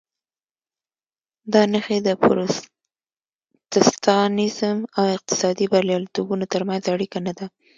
دا نښې د پروتستانېزم او اقتصادي بریالیتوبونو ترمنځ اړیکه نه ده.